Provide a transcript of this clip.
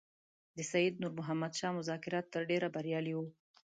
د سید نور محمد شاه مذاکرات تر ډېره بریالي وو.